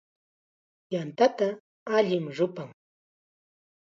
Yantata allim rupan.